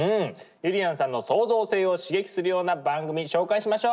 ゆりやんさんの創造性を刺激するような番組紹介しましょ。